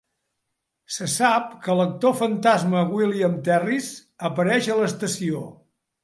Se sap que l'actor fantasma William Terriss apareix a l'estació.